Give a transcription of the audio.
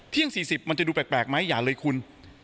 เที่ยง๔๐มันจะดูแปลกมั้ยอย่าเลยคุณ